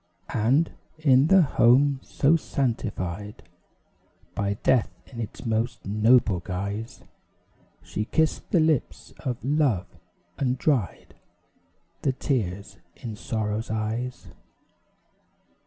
And, in the home so sanctified By death in its most noble guise, She kissed the lips of love, and dried The tears in sorrow's eyes.